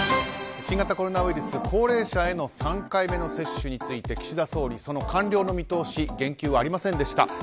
新型コロナウイルス、高齢者への３回目のワクチン接種について岸田総理、その完了の見通し言及はありませんでした。